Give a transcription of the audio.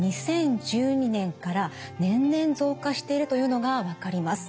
２０１２年から年々増加しているというのが分かります。